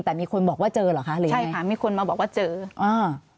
แต่มีคนบอกว่าเจอเหรอคะหรือใช่ค่ะมีคนมาบอกว่าเจออ่า